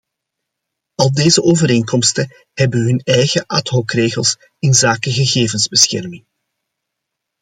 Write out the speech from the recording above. Al deze overeenkomsten hebben hun eigen ad-hocregels inzake gegevensbescherming.